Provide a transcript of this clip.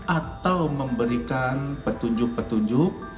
atau memberikan petunjuk petunjuk